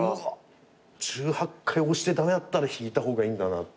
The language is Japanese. １８回押して駄目だったら引いた方がいいんだなって。